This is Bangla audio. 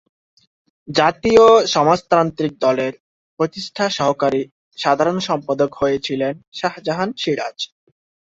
জাতীয় সমাজতান্ত্রিক দলের প্রতিষ্ঠাতা সহকারী সাধারণ সম্পাদক হয়েছিলেন শাহজাহান সিরাজ।